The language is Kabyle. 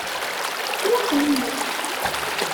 Muqqel-iyi-d.